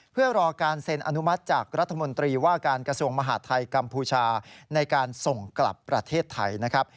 เพื่อรอการเซ็นอนุมัติจากรัฐมนตรีว่าการกระทรวงมหาดไทยกัมพูชาในการส่งกลับประเทศไทยนะครับ